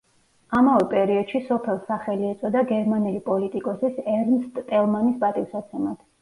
ამავე პერიოდში სოფელს სახელი ეწოდა გერმანელი პოლიტიკოსის ერნსტ ტელმანის პატივსაცემად.